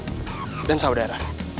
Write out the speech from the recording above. sama temen dan saudara